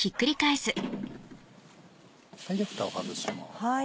ではふたを外します。